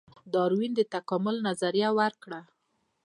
ډاروین د تکامل نظریه ورکړه